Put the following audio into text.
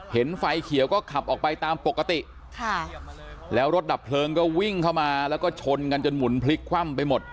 ไฟเขียวก็ขับออกไปตามปกติค่ะแล้วรถดับเพลิงก็วิ่งเข้ามาแล้วก็ชนกันจนหมุนพลิกคว่ำไปหมด